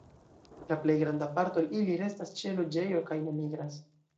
La plej granda parto el ili restas ĉe loĝejo kaj ne migras.